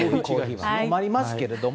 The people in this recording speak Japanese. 困りますけれども。